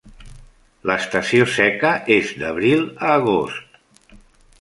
L'estació seca és d'abril a agost.